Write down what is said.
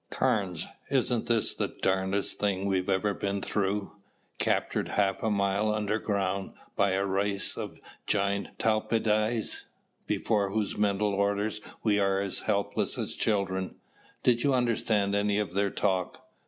"Carnes, isn't this the darnedest thing we've ever been through? Captured half a mile underground by a race of giant talpidae before whose mental orders we are as helpless as children. Did you understand any of their talk?"